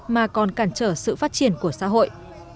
mà còn cản trở sự phát triển của xã hội